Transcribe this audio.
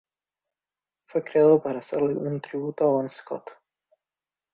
Fue creado para hacerle un tributo a Bon Scott.